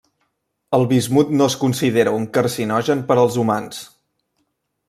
El bismut no es considera un carcinogen per als humans.